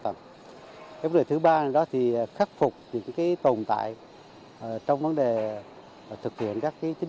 vấn đề thứ ba đối với những trường hợp ở độ cao phải đảm bảo những điều kiện về khám định kỳ cho người lao động làm việc ở độ cao nhất định ở một số nhà cao tầng